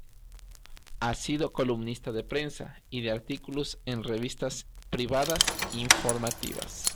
Ha sido columnista de prensa y de artículos en revistas privadas informativas.